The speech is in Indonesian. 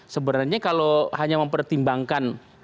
sebenarnya kalau hanya mempertimbangkan